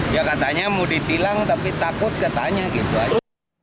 ya katanya mau ditilang tapi takut katanya gitu aja